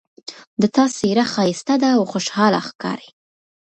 د تا څېره ښایسته ده او خوشحاله ښکاري